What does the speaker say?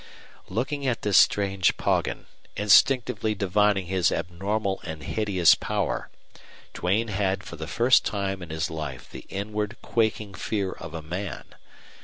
Looking at this strange Poggin, instinctively divining his abnormal and hideous power, Duane had for the first time in his life the inward quaking fear of a man.